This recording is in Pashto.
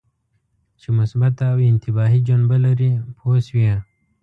چې مثبته او انتباهي جنبه لري پوه شوې!.